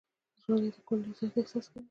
ژوندي د کونډې درد حس کوي